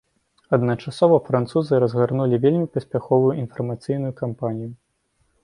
Адначасова французы разгарнулі вельмі паспяховую інфармацыйную кампанію.